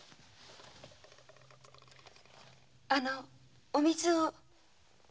あのお水を。